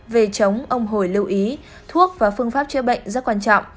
về chống ông hồi lưu ý thuốc và phương pháp chữa bệnh rất quan trọng